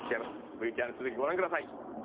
ＶＴＲの続きご覧ください。